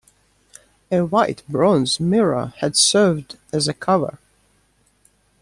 A white bronze mirror had served as a cover.